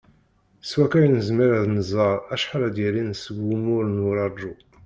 S wakka i nezmer ad nẓer acḥal ara d-yalin seg wumuɣ n uraju.